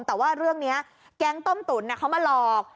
แต่ว่าเรื่องนี้แก๊งต้มตุ๋นเขามาหลอก